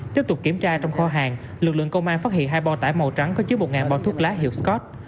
tiếp tục kiểm tra trong kho hàng lực lượng công an phát hiện hai bao tải màu trắng có chứa một bao thuốc lá hiệu scott